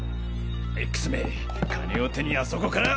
Ｘめ金を手にあそこから！